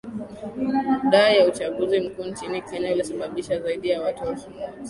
da ya uchaguzi mkuu nchini kenya ulisababisha zaidi ya watu elfu moja